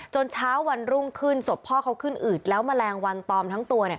เช้าวันรุ่งขึ้นศพพ่อเขาขึ้นอืดแล้วแมลงวันตอมทั้งตัว